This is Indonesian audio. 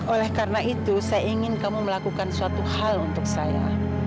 oleh karena itu saya ingin kamu melakukan suatu hal untuk saya